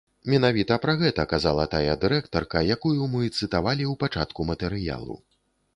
Менавіта пра гэта казала тая дырэктарка, якую мы цытавалі ў пачатку матэрыялу.